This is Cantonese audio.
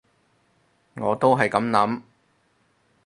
我都係噉諗